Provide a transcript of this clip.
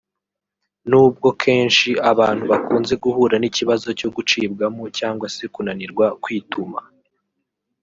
Nubwo kenshi abantu bakunze guhura n’ikibazo cyo gucibwamo cyangwa se kunanirwa kwituma